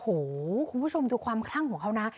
โอ้โหคุณผู้ชมดูความคลั่งของเขานะ